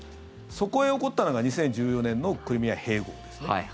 そこへ起こったのが２０１４年のクリミア併合です。